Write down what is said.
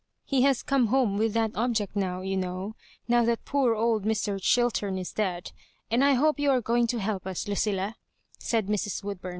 He has come home with that object now, you know, now that poor old Mr. Chiltem is dead ; and I hope you are going to help us, Lucilla/' said Mrs. Woodbum.